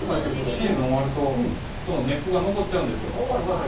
シーズン終わるとこの根っこが残っちゃうんですよ。